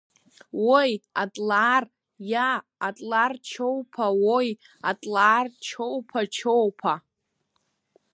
Уои атлаар, иа, атлар-чоуԥа уои атлаар чоуԥа-чоуԥа!